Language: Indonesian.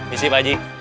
isi pak ji